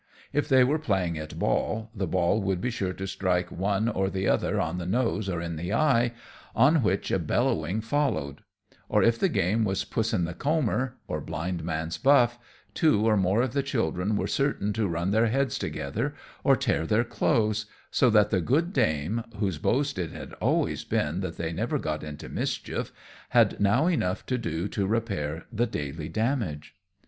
If they were playing at ball, the ball would be sure to strike one or the other on the nose or in the eye, on which a bellowing followed; or if the game was puss in the corner, or blind man's buff, two or more of the children were certain to run their heads together, or tear their clothes, so that the good dame, whose boast it had always been that they never got into mischief, had now enough to do to repair the daily damage.